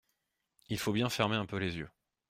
Il faut bien fermer un peu les yeux.